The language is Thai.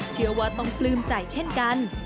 เชื่อว่าต้องปลื้มใจเช่นกัน